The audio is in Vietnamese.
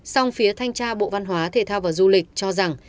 song phía thanh tra bộ văn hóa thể thao và du lịch cho rằng